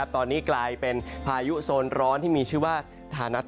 ตอนนี้กลายเป็นพายุโซนร้อนที่มีชื่อว่าธานัท